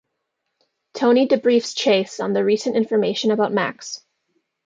Tony debriefs Chase on the recent information about Max.